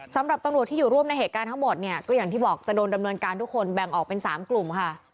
สำหรับตำรวจที่อยู่ร่วมในเหตุการณ์ทั้งหมดเนี่ยก็อย่างที่บอกจะโดนดำเนินการทุกคนแบ่งออกเป็น๓กลุ่มค่ะ